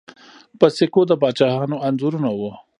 په سکو د پاچاهانو انځورونه وو